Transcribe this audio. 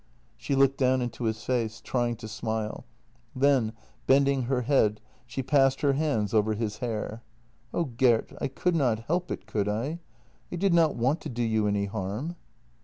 " She looked down into his face, trying to smile; then, bending her head, she passed her hands over his hair: " Oh, Gert, I could not help it — could I ? I did not want to do you any harm."